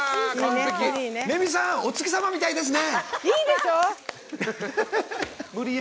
レミさんお月様みたいですね！